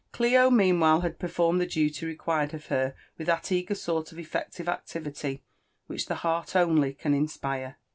Clio meanwhile had performed the duty required of her with that eager sort of effective activity which the heart only can inspire.